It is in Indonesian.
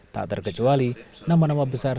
tak terkecuali nama nama besar